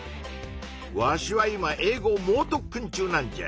わしは今英語もう特訓中なんじゃ。